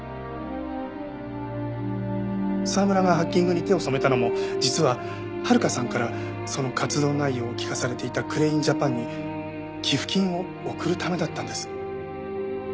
沢村がハッキングに手を染めたのも実は遥さんからその活動内容を聞かされていたクレインジャパンに寄付金を送るためだったんです。